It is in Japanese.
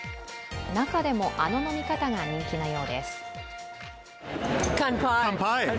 中でも、あの飲み方が人気なようです